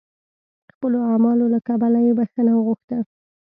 خپلو اعمالو له کبله یې بخښنه وغوښته.